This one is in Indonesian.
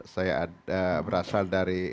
saya ada berasal dari